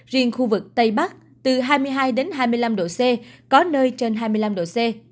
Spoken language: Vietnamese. riêng khu vực tây bắc từ hai mươi hai hai mươi năm độ c có nơi trên hai mươi năm độ c